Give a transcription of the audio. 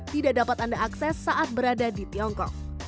tidak dapat anda akses saat berada di tiongkok